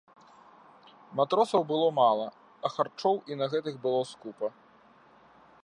Матросаў было мала, а харчоў і на гэтых было скупа.